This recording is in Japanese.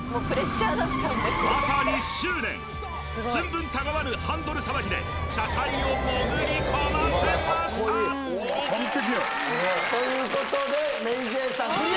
まさに執念寸分たがわぬハンドルさばきで車体を潜り込ませました！ということでＭａｙＪ．さんクリア！